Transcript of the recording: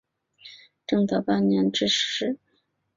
正德八年致仕。